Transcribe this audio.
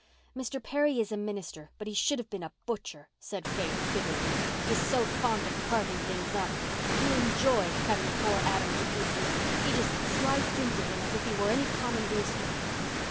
"Mr. Perry is a minister, but he should have been a butcher," said Faith bitterly. "He is so fond of carving things up. He enjoyed cutting poor Adam to pieces. He just sliced into him as if he were any common rooster."